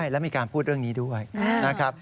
แล้วมีการพูดเรื่องนี้ด้วยนะครับ